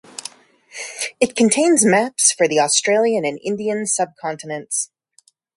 It contains maps for the Australian and Indian sub-continents.